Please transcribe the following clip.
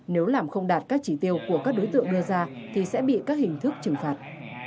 nếu làm không đạt các chỉ tiêu của các đối tượng đưa ra thì sẽ bị các hình thức trừng phạt